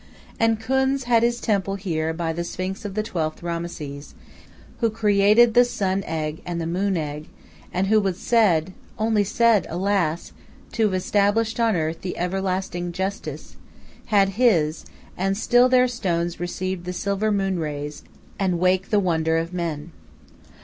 And Khuns had his temple here by the Sphinx of the twelfth Rameses, and Ptah, who created "the sun egg and the moon egg," and who was said only said, alas! to have established on earth the "everlasting justice," had his, and still their stones receive the silver moon rays and wake the wonder of men.